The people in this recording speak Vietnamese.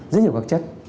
rất nhiều các chất